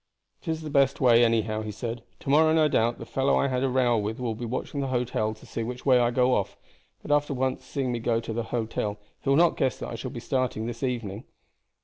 "It is the best way, anyhow," he said. "To morrow, no doubt, the fellow I had the row with will be watching the hotel to see which way I go off, but after once seeing me go to the hotel he will not guess that I shall be starting this evening.